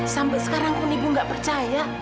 sampai sekarang pun ibu nggak percaya